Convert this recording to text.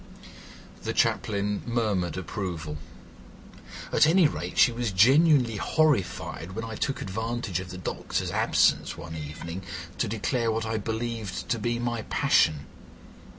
The Chaplain murmured approval. "At any rate, she was genuinely horrified when I took advantage of the doctor's absence one evening to declare what I believed to be my passion.